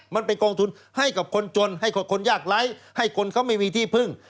มันเป็นกองทุนให้กับคนจนให้กับคนยากไร้ให้คนเขาไม่มีที่พึ่ง